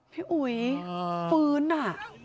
พี่อุ๋ยฟื้นอ่ะ